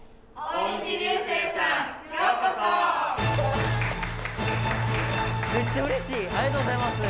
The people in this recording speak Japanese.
ありがとうございます。